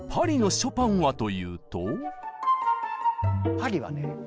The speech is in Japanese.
パリはね